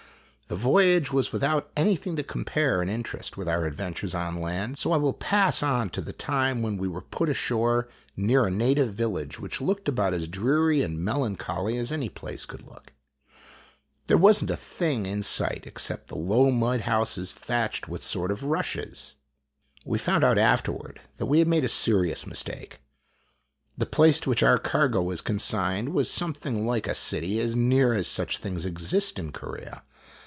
The voyage was without anything to compare in interest with our adventures on land, so I will pass on to the time when we were put ashore near a native village which looked about as dreary and melancholy as any place could look. There was n't a THE TONGALOO TOURNAMENT I? thing in sight except the low mud houses thatched with a sort of rushes. We found out afterward that we had made a serious mistake. The place to which our cargo was consigned was something like a city as nearly as such things exist in Corea.